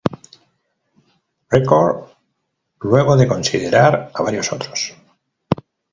Records luego de considerar a varios otros.